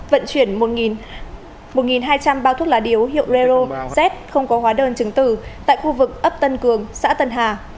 vận chuyển một hai trăm linh bao thuốc lá điếu hiệu rero z không có hóa đơn chứng tử tại khu vực ấp tân cường xã tân hà